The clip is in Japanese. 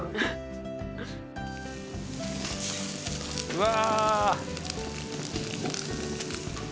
うわ。